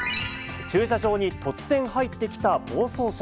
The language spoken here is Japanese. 駐車場に突然入ってきた暴走車。